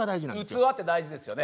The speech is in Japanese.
器って大事ですよね。